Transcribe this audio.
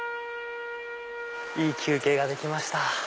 いい休憩ができました。